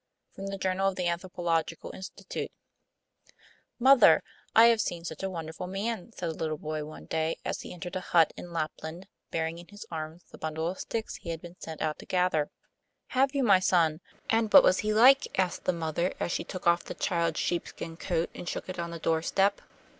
[From the Journal of the Anthropological Institute.] How the Stalos Were Tricked 'Mother, I have seen such a wonderful man,' said a little boy one day, as he entered a hut in Lapland, bearing in his arms the bundle of sticks he had been sent out to gather. 'Have you, my son; and what was he like?' asked the mother, as she took off the child's sheepskin coat and shook it on the doorstep.